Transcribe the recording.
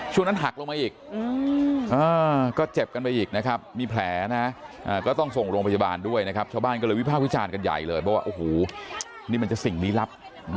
นั้นหักลงมาอีกก็เจ็บกันไปอีกนะครับมีแผลนะก็ต้องส่งโรงพยาบาลด้วยนะครับชาวบ้านก็เลยวิภาควิจารณ์กันใหญ่เลยบอกว่าโอ้โหนี่มันจะสิ่งลี้ลับ